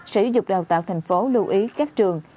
sở dục đào tạo tp hcm lưu ý các trường